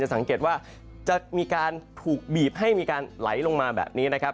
สังเกตว่าจะมีการถูกบีบให้มีการไหลลงมาแบบนี้นะครับ